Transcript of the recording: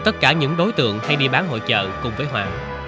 tất cả những đối tượng hay đi bán hội trợ cùng với hoàng